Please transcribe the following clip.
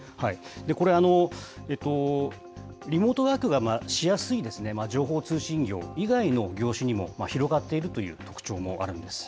これ、リモートワークがしやすい情報通信業以外の業種にも広がっているという特徴もあるんです。